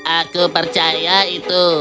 aku percaya itu